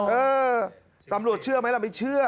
เออตำรวจเชื่อไหมล่ะไม่เชื่อ